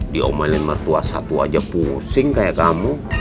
diomain mertua satu aja pusing kayak kamu